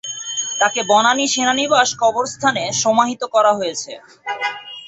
তাকে বনানী সেনানিবাস কবরস্থানে সমাহিত করা হয়েছে।